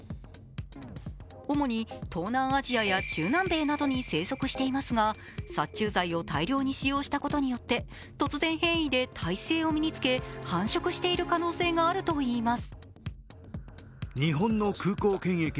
主に東南アジアや中南米などに生息していますが殺虫剤を大量に使用したことによって突然変異で耐性を身につけ繁殖している可能性があるといいます。